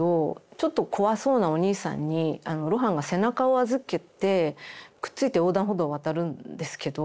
ちょっと怖そうなおにいさんに露伴が背中を預けてくっついて横断歩道を渡るんですけど。